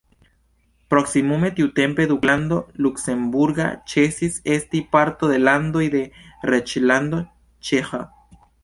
Proksimume tiutempe Duklando luksemburga ĉesis esti parto de landoj de Reĝlando ĉeĥa.